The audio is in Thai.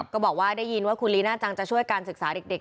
ก็บอกว่าได้ยินว่าคุณลีน่าจังจะช่วยการศึกษาเด็ก